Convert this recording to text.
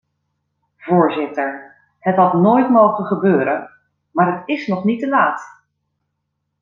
Voorzitter, het had nooit mogen gebeuren, maar het is nog niet te laat.